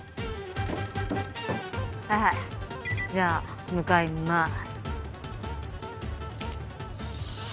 はいはいじゃあ向かいます。